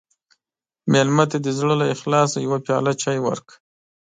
مېلمه ته د زړه له اخلاصه یوه پیاله چای ورکړه.